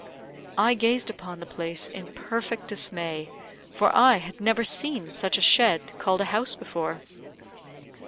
I gazed upon the place in perfect dismay, for I had never seen such a shed called a house before.